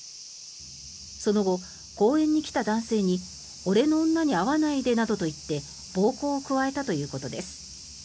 その後、公園に来た男性に俺の女に会わないでなどと言って暴行を加えたということです。